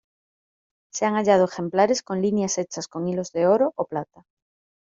Se han hallado ejemplares con líneas hechas con hilos de oro o plata.